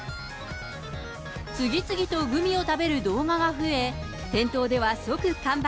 次々とグミを食べる動画が増え、店頭では即完売。